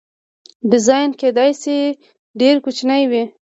ډیزاین کیدای شي ډیر کوچنی وي.